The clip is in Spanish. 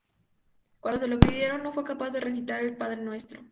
Cuando se lo pidieron, no fue capaz de recitar el Padrenuestro.